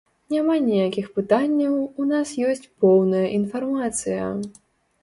Няма ніякіх пытанняў, у нас ёсць поўная інфармацыя.